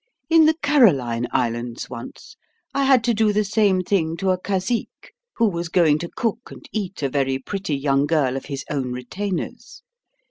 In the Caroline Islands, once, I had to do the same thing to a cazique who was going to cook and eat a very pretty young girl of his own retainers.